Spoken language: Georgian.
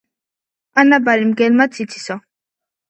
ანაბარი მგელმაც იცისო